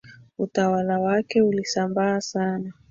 Utawala wake ulisambaa sana